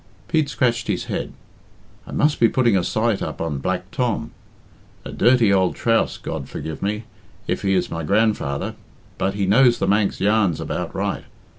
Pete scratched his head. "I must be putting a sight up on Black Tom. A dirty old trouss, God forgive me, if he is my grandfather, but he knows the Manx yarns about right.